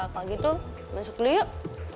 kalau gitu masuk dulu yuk